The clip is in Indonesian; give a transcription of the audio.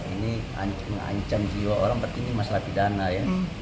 ini mengancam jiwa orang berarti ini masalah pidana ya